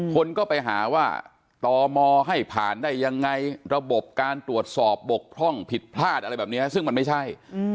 คนก็ไปหาว่าตมให้ผ่านได้ยังไงระบบการตรวจสอบบกพร่องผิดพลาดอะไรแบบนี้ซึ่งมันไม่ใช่